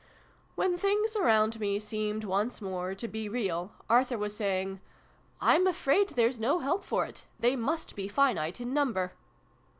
When things around me seemed once more to be real, Arthur was saying " Tm afraid there's no help for it : they must be finite in number."